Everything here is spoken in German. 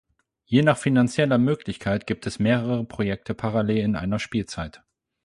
Je nach finanzieller Möglichkeit gibt es mehrere Projekte parallel in einer Spielzeit.